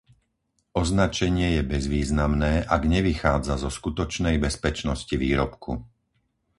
Označenie je bezvýznamné, ak nevychádza zo skutočnej bezpečnosti výrobku.